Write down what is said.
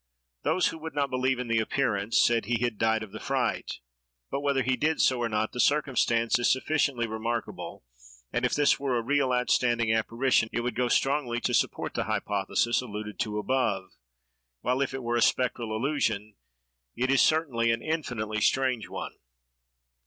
Those who would not believe in the appearance, said he had died of the fright; but, whether he did so or not, the circumstance is sufficiently remarkable: and, if this were a real, outstanding apparition, it would go strongly to support the hypothesis alluded to above, while, if it were a spectral illusion, it is certainly an infinitely strange one.